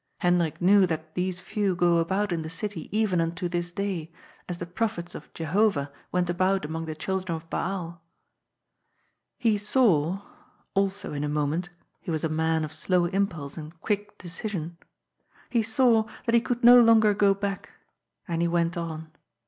Hendrik knew that these few go about in the city even unto this day, as the prophets of Jehovah went about among the children of Baal. He saw — also in a moment ; he was a man of slow inv pulse and quick decision — he saw that he could no longer go back. And he went on.